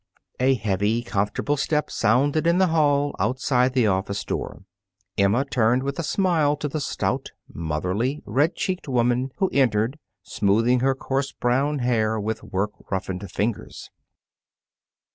A heavy, comfortable step sounded in the hall outside the office door. Emma turned with a smile to the stout, motherly, red cheeked woman who entered, smoothing her coarse brown hair with work roughened fingers.